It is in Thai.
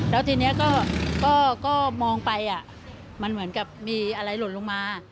แล้วทีนี้ก็มองไปมันเหมือนกับมีอะไรหล่นลงมา